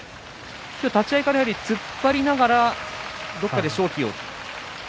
立ち合いから突っ張りながらどこかで勝機を。